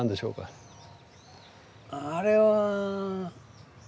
あれは。